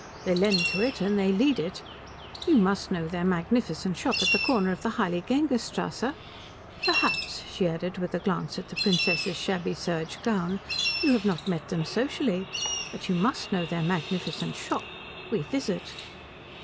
They lend to it, and they lead it. You must know their magnificent shop at the corner of the Heiligengeiststrasse? Perhaps," she added, with a glance at the Princess's shabby serge gown, "you have not met them socially, but you must know the magnificent shop. We visit."